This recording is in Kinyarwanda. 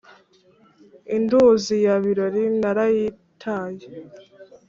i nduzi ya birori narayitaye